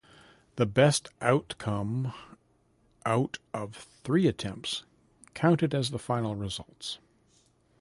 The best outcome out of three attempts counted as the final results.